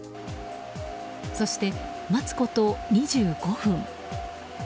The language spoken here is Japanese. そして待つこと２５分。